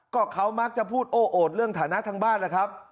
ก็เขามักจะพูดโอ้โอดเรื่องฐานะทางบ้านแหละครับ